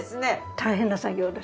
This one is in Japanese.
大変な作業です。